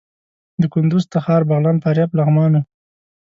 د کندوز، تخار، بغلان، فاریاب، لغمان وو.